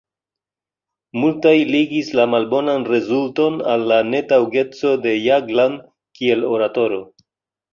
Multaj ligis la malbonan rezulton al la netaŭgeco de Jagland kiel oratoro.